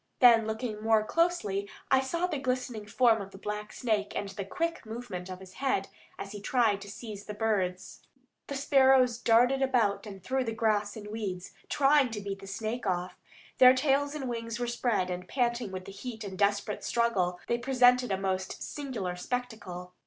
Then, looking more closely, I saw the glistening form of the black snake and the quick movement of his head as he tried to seize the birds. The sparrows darted about and through the grass and weeds, trying to beat the snake off. Their tails and wings were spread, and, panting with the heat and the desperate struggle, they presented a most singular spectacle.